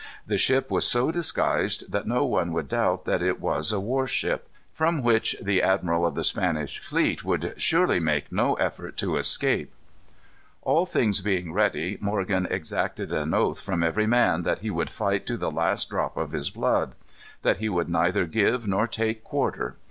The ship was so disguised that no one would doubt that it was a war ship. From such the admiral of the Spanish fleet would surely make no effort to escape. All things being ready, Morgan exacted an oath from every man that he would fight to the last drop of his blood; that he would neither give nor take quarter.